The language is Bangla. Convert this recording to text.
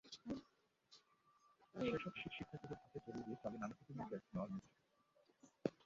সেসব শিট শিক্ষার্থীদের হাতে ধরিয়ে দিয়ে চলে নানা কিসিমের টেস্ট নেওয়ার মচ্ছব।